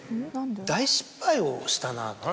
大失敗をしたなと。